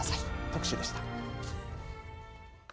特集でした。